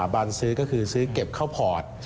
ซื้อก็คือซื้อเก็บเข้าพอร์ต